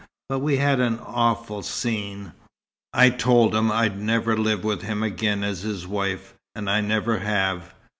But we had an awful scene. I told him I'd never live with him again as his wife, and I never have.